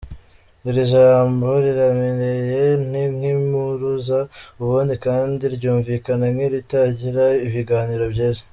Iri jambo riraremereye ni nk’impuruza ubundi kandi ryumvikana nk’iritagira ibiganiro byiza.